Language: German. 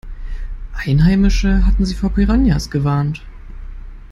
Einheimische hatten sie vor Piranhas gewarnt.